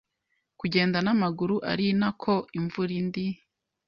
kugenda n’amaguru ari nako imvura indi